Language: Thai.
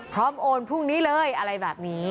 โอนพรุ่งนี้เลยอะไรแบบนี้